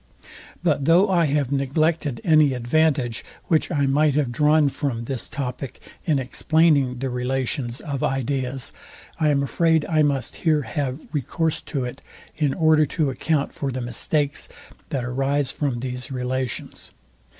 But though I have neglected any advantage, which I might have drawn from this topic in explaining the relations of ideas, I am afraid I must here have recourse to it, in order to account for the mistakes that arise from these relations.